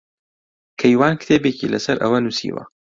کەیوان کتێبێکی لەسەر ئەوە نووسیوە.